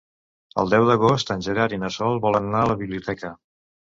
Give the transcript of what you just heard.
El deu d'agost en Gerard i na Sol volen anar a la biblioteca.